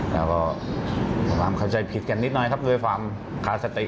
ก็คิดว่าคิดว่าความคิดผิดกันนิดหน่อยครับเพราะฝรากร้าสติ